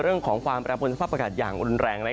เรื่องของความแปรปวนสภาพอากาศอย่างรุนแรง